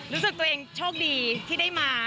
รู้สึกตัวเองโชคดีที่ได้มา